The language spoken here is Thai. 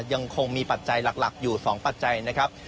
ยังคงมีปัจจัยหลักอยู่๒ปัจจัยนะครับ